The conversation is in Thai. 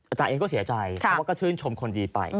อาจารย์เองก็เสียใจเพราะว่าก็ชื่นชมคนดีไป